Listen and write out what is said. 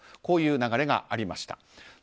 こういう流れがありました。